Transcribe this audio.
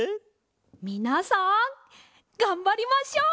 みなさんがんばりましょう！